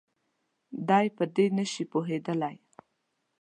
دی په دې نه شي پوهېدلی.